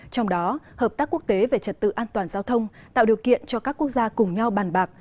trong đó hợp tác quốc tế về trật tự an toàn giao thông tạo điều kiện cho các quốc gia cùng nhau bàn bạc